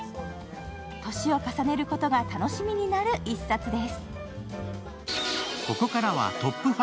年を重ねることが楽しみになる１冊です。